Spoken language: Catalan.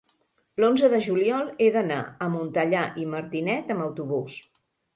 l'onze de juliol he d'anar a Montellà i Martinet amb autobús.